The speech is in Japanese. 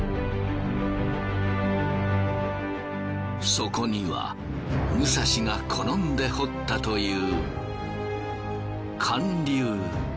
そこには武蔵が好んで彫ったという。